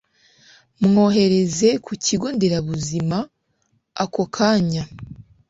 mwohereze ku kigo nderabuzima ako kanya